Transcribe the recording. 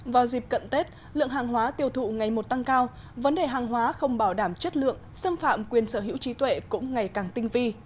vào dịp cận tết lượng hàng hóa tiêu thụ ngày một tăng cao vấn đề hàng hóa không bảo đảm chất lượng xâm phạm quyền sở hữu trí tuệ cũng ngày càng tinh vi